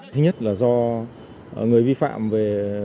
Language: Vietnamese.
thứ nhất là do người vi phạm về